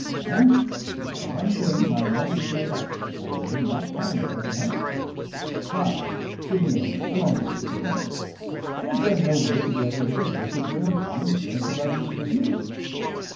And on one thing my mind is made up: I will not hang if I can help it. Come, give me a hint; I'm only a beginner! Is there no way to get a little discipline and common sense about this business?"